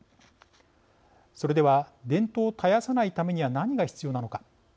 それでは伝統を絶やさないためには何が必要なのか。